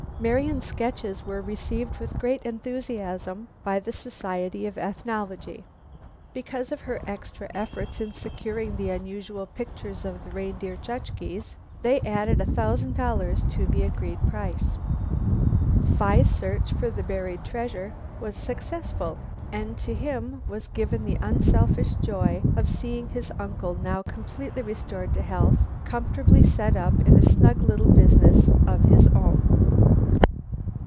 Marian's sketches were received with great enthusiasm by the Society of Ethnology. Because of her extra efforts in securing the unusual pictures of the Reindeer Chukches, they added a thousand dollars to the agreed price. Phi's search for the buried treasure was successful, and to him was given the unselfish joy of seeing his uncle, now completely restored to health, comfortably set up in a snug little business of his own.